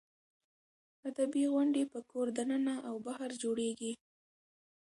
ادبي غونډې په کور دننه او بهر جوړېږي.